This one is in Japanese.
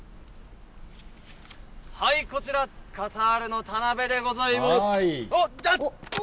こちら、カタールの田辺でございます。